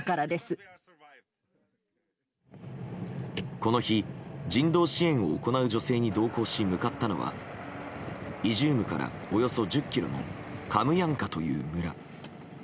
この日人道支援を行う女性に同行し向かったのはイジュームからおよそ１０ｋｍのカムヤンカという村。